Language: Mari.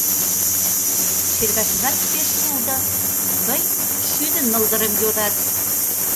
Шергашыжат пеш шулдо, тый шӱдынылдырым йодат.